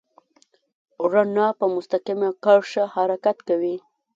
رڼا په مستقیمه کرښه حرکت کوي.